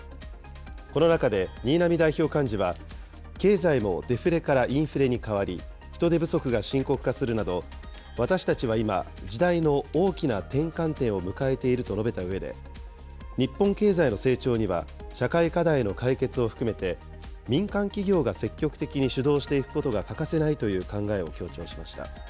この中で、新浪代表幹事は、経済もデフレからインフレに変わり、人手不足が深刻化するなど、私たちは今、時代の大きな転換点を迎えていると述べたうえで、日本経済の成長には社会課題の解決を含めて、民間企業が積極的に主導していくことが欠かせないという考えを強調しました。